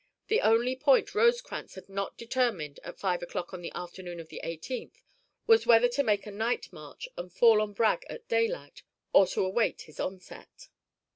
The only point Rosecrans had not determined at five o'clock on the afternoon of the 18th was whether to make a night march and fall on Bragg at daylight or to await his onset.